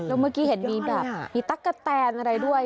แล้วเมื่อกี้เห็นมีแบบมีตั๊กกะแตนอะไรด้วย